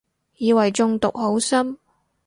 以為中毒好深